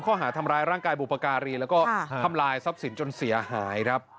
ข้อหาทำร้ายร่างกายบุพการีแล้วก็ทำลายทรัพย์สินจนเสียหายครับ